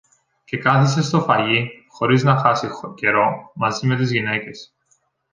Και κάθισε στο φαγί, χωρίς να χάσει καιρό, μαζί με τις γυναίκες